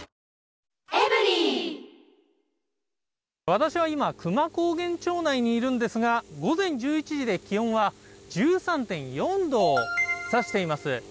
私は今、久万高原町内にいるんですが、午前１１時で気温は１３．４度をさしています。